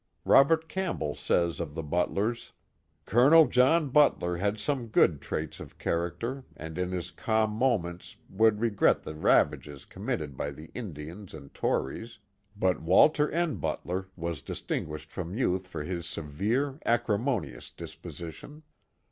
Robert Campbell says of the Butlers: Col. John Butler had some good trails of character calm moments would regret the ravages committed by the Indians and Tories, but Walter N. Butler was distinguished from youth for his severe, acrimonious disposition.